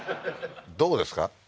どうですか？